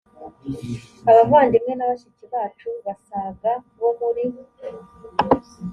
abavandimwe na bashiki bacu basaga bo muri